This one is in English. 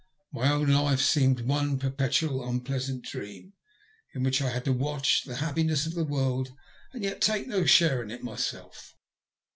My own life seemed one perpetually unpleasant dream, in which I had to watch the happiness of the world and yet take no share in it myself.